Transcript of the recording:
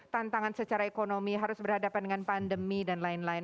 tantangan secara ekonomi harus berhadapan dengan pandemi dan lain lain